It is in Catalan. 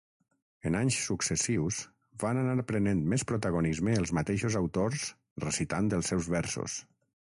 En anys successius, van anar prenent més protagonisme els mateixos autors recitant els seus versos.